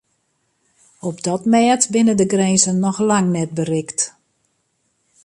Op dat mêd binne de grinzen noch lang net berikt.